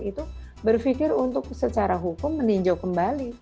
itu berpikir untuk secara hukum meninjau kembali